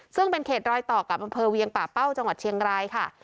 ซึ่งเป็นเขตรอยต่อกับอำเภอเวียงป่าเป้าจังหวัดเชียงรายค่ะ